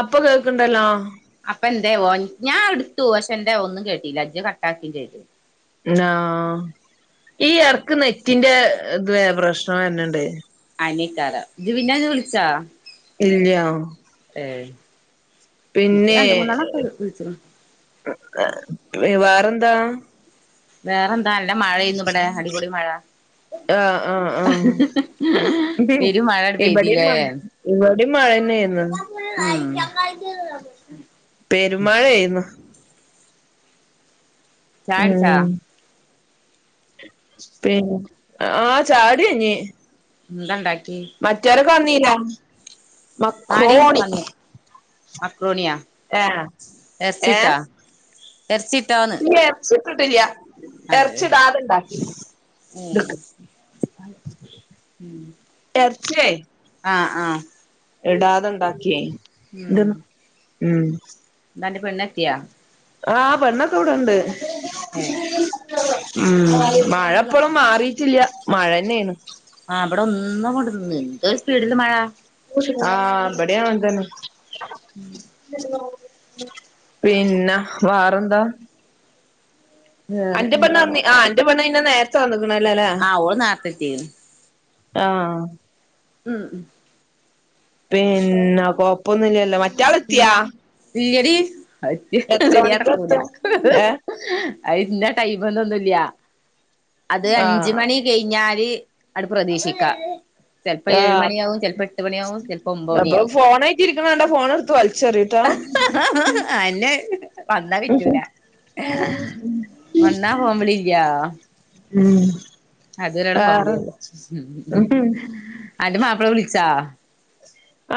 അപ്പ കേക്ക്‌ണ്ടല്ലോ.. അപ്പന്തേവോ ഞാ ട്ത്തു പക്ഷെ എന്തേവോ ഒന്നും കേട്ടീല്ല ഇജ്ജ് കട്ടാക്കിം ചെയ്ത് ന്നാ ഈ ഹേനെറ്റിന്റെ ഇത് പ്രശ്നം വെര്ന് ണ്ടേ അയ്നിക്കാരം ഇജ് പിന്നെ വിളിച്ചാ ഇല്ല്യാ ഏ ഇപ്പ പിന്നെ രണ്ട് മൂന്നണ്ണോക്കെ വിളിച്ചിക്ണ് വേറെന്താ വേറെ ന്താ നല്ല മഴേനു ബടെ അടിപൊളി മഴ ആഹ് ആഹ് ആഹ് പെരും മഴണ്ട് പെയ്തില്ലേ ഇവെടിം മഴന്നെര്ന്ന് ഉം [inaudible] [inaudible] പെരുമ്മഴേന്നു ചായകുടിച്ചുവോ- ഉം പിന്നെ ആ ചായുടി കയ്ഞ് ന്താണ്ടാകി മറ്റൊരോക്കെ വന്നീലെ മക്രോണി മക്രോണിയോ ഏഹ് എർച്ചീട്ടാ എർച്ചീട്ടോ ന്ന് ല്ലാ എറ്ച്ചീട്ട്ട്ടില്ലാ [unintelligible] അതെ ഏ ഉം ഉം എറ്ച്ചീയേ ആആ ഇടാതെ ണ്ടാക്കി ഉം ഉം ന്താന്റെ പെണ്ണെത്തിയാ? ആഹ് പെണ്ണൊക്കെ വ്ടെണ്ട് ഏ ഉം മഴപ്പളും മാറിട്ടില്ല മഴ ന്നെയാണ്. ആ പെടെ ഒന്നും കൊണ്ടന്ന് എന്തോരു സ്പീഡില് മഴ ആഹ ബടിയാങ്ങനത്തെന്നെ പിന്ന വാറെന്താ അന്റെ പേണ്ണ് വേറെപ്പെന്താണ് വന്നി ആ അന്റെ പെണ്ണ് അയ്ന് നേര്ത്തെ വന്ന്ക്ണല്ലേ ആ ഓള് നാറ്ത്തെത്തി. ആഹ് ഉം ഉം പിന്നെ കൊപ്പൊന്നുംല്ലല്ലോ മറ്റ. ഇല്ലടി. അജു എത്ര മണിക്കാ നിയാടകുല എത്താ ഹി ഹെ ഏ ഹേ അഹ് ഇന്നടൈമ് ന്നൊന്നുംല്ല്യ അത് ആ അഞ്ച്മണി കഴിഞ്ഞാല് അട് പ്രതീക്ഷിക്കാം. ചിലപ്പോ ആ ഏഴ്മണിയാാവും, ചിലപ്പോ എട്ട് മണിയാാവും, ചിലപ്പോ അപ്പൊ ഒമ്പ്മണിയാവും, ഫോണായിട്ട് ഇരിക്ക്ണ കണ്ടാ ഫോണെടുത്ത് വലിച്ചെറിയൂട്ടോ ഹേ ഹേ [unintelligible] വന്നാ കിറ്റൂല വന്നാ ഫോം വിളില്ല്യ ഉം ഹും അത് വരെള്ള ഫോം വിളിള്ളൂ ഹും ഹു ആൻ്റെ മാപ്പിളെ വിളിച്ചാ?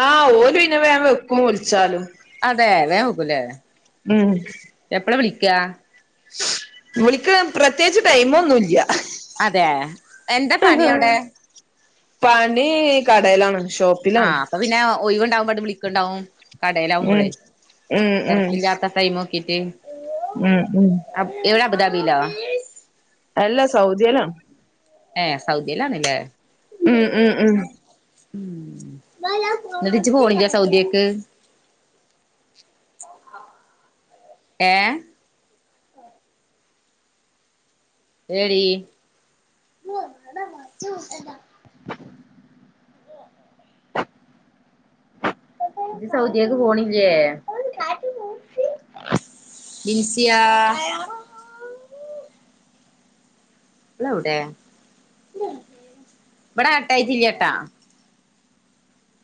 ആഹ് ഓല്ന്നെ വേം വെക്കും വിളിച്ചാലും. അതെ വേം വെക്കുംല്ലെ? ഹും എപ്പള് വിളിക്കാ വിളിക്ക്ണ് പ്രത്യേകിച്ച് ടൈമൊന്നുംല്ല്യ അതേ എന്താ പണിയവിടെ? പണി ഈ കടയിലാണ് ഷോപ്പിലാണ്. ആഹ് അപ്പൊ പിന്നെ ഒയിവുണ്ടാവുംബംണ്ട് വിളിക്കണ്ടാവും. ഉം കടയിലാവുമ്പോള് ഉം ഉം തിരക്കില്ലാത്ത ടൈമ് നോക്കിട്ട് ഉം ഹും എവിടാ അബുദാബിലോ എല്ലാ സൗദ്യലാണ് ഏ സൗദിലാണ്ല്ലേ ഉം ഉഹും ഉം എന്നിട്ടിജ് പോയില്ലാ സൗദിക്ക് ഏആഹാ എടീ ഇജ് സൗദിയക്ക് പോണില്ലേ? ഇൻസിയാ ങ്ങളോവ്ടെ ബാടക്കട്ടയിട്ടില്ല്യട്ടാ